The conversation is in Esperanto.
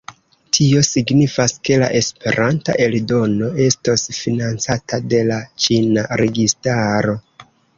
Tio signifas, ke la Esperanta eldono estos financata de la ĉina registaro.